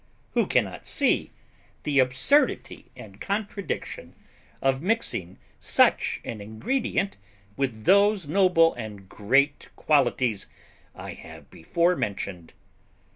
Who cannot see the absurdity and contradiction of mixing such an ingredient with those noble and great qualities I have before mentioned?